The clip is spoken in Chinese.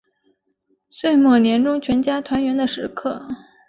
岁末年终全家团圆的时刻